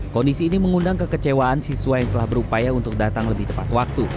kondisi ini mengundang kekecewaan siswa yang telah berupaya untuk datang lebih tepat waktu